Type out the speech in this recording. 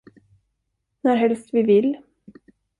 Närhelst vi vill.